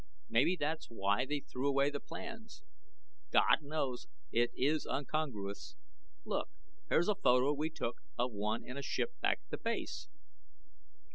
Maybe that is why they threw away the plans. God knows, it is incongruous. Look! Here's a photo we took of one in a ship back at base."